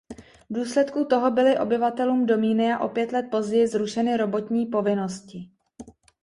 V důsledku toho byly obyvatelům dominia o pět let později zrušeny robotní povinnosti.